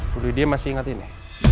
bu lydia masih ingat ini